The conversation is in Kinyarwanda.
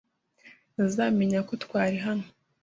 ntazamenya ko twari hano.